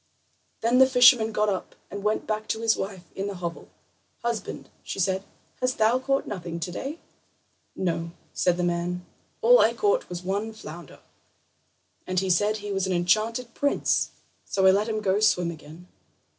Then the fisherman got up and went back to his wife in the hovel. "Husband," she said, "hast thou caught nothing today?" "No," said the man; "all I caught was one flounder, and he said he was an enchanted prince, so I let him go swim again."